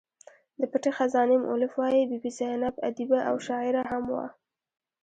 د پټې خزانې مولف وايي بي بي زینب ادیبه او شاعره هم وه.